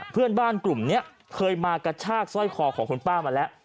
เพื่อนบ้านกลุ่มนี้เคยมากระชากสร้อยคอของคุณป้ามาแล้ว